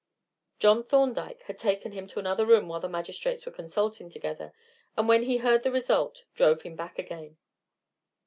John Thorndyke had taken him to another room while the magistrates were consulting together, and when he heard the result drove him back again.